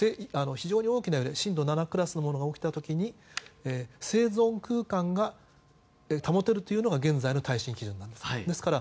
非常に大きな揺れ震度７クラスのものが起きた時に生存空間が保てるというのが現在の耐震基準なんです。